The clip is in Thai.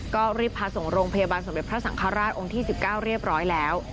ก็รีบพาส่งโรงพยาบาลสมเด็จพระสังฆราชองค์ที่๑๙เรียบร้อยแล้ว